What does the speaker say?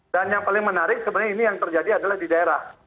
dan yang paling menarik sebenarnya ini yang terjadi adalah di daerah